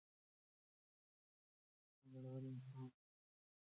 دی یو زړور انسان دی.